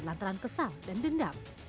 lantaran kesal dan dendam